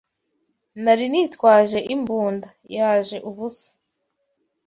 Nari nitwaje imbunda, yaje ubusa